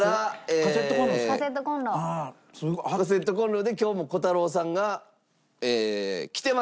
カセットコンロで今日もこたろうさんが来てます